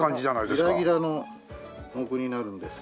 ギラギラの杢になるんですけど。